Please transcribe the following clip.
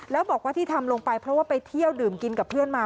แล้วบอกว่าที่ทำลงไปเพราะว่าไปเที่ยวดื่มกินกับเพื่อนมา